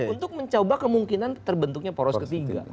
untuk mencoba kemungkinan terbentuknya poros ketiga